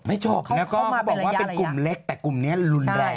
จบแล้วก็เขาบอกว่าเป็นกลุ่มเล็กแต่กลุ่มนี้รุนแรง